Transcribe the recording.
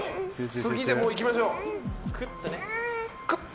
次でいきましょう。